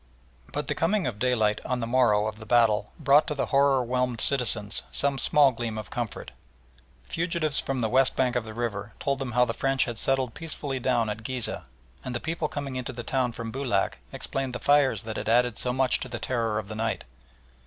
But the coming of daylight on the morrow of the battle brought to the horror whelmed citizens some small gleam of comfort. Fugitives from the west bank of the river told them how the French had settled peacefully down at Ghizeh, and people coming into the town from Boulac explained the fires that had added so much to the terror of the night.